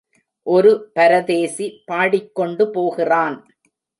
ஒரு பரதேசி பாடிக் கொண்டு போகிறான்.